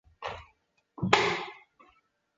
但预期中的攻势很快就转变成绝望的阻敌战斗。